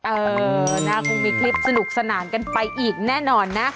เออนะคงมีคลิปสนุกสนานกันไปอีกแน่นอนนะ